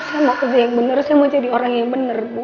saya mau kerja yang benar saya mau jadi orang yang benar bu